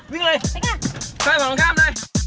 สี่ห้ามด้านข้าง